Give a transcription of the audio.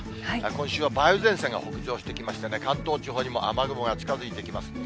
今週は梅雨前線が北上してきましてね、関東地方にも雨雲が近づいてきます。